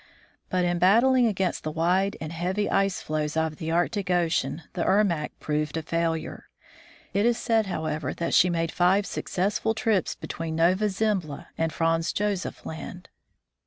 But in battling against the wide and heavy ice floes of the Arctic ocean, the Ermack proved a failure. It is said, however, that she made five successful trips between Nova Zembla and Franz Josef land.